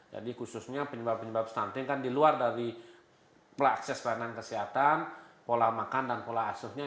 jadi khususnya penyebab penyebab stunting kan di luar dari pelakses peranan kesehatan pola makan dan pola asusnya